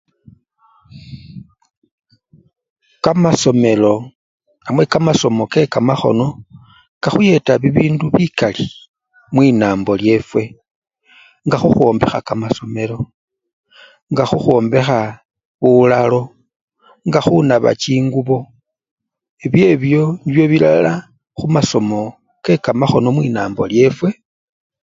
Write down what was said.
Kamasomelo namwe kamasomo kekamakhono kahkuyeta bibindu bikali mwinambo lyefwe nga khakhwombekha kamasomelo nga khakhwombekha bulalo nga khunaba chingubo, ebyobyo nibyo bilala khumasomo kekamakhono mwinambo lyefwe.